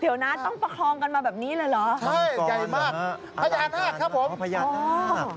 เดี๋ยวนะต้องประคองกันมาแบบนี้เลยเหรอ